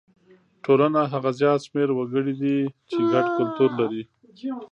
ټولنه هغه زیات شمېر وګړي دي چې ګډ کلتور لري.